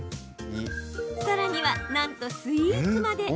さらには、なんとスイーツまで。